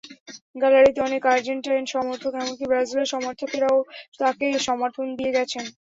গ্যালারিতে অনেক আর্জেন্টাইন সমর্থক, এমনকি ব্রাজিলের সমর্থকেরাও, তাঁকে সমর্থন দিয়ে গেছেন।